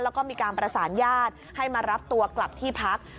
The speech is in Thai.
แล้วก็มีการประสานญาติให้มารับตัวกลับที่พัก